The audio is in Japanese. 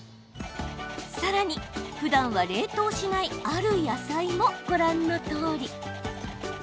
さらに、ふだんは冷凍しないある野菜もご覧のとおり。